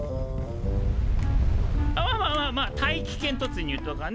まあまあまあまあ大気圏突入とかね